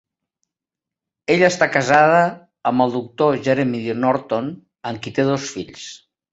Ella està casada amb el doctor Jeremy Norton, amb qui té dos fills.